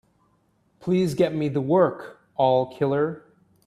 Please get me the work, All Killer.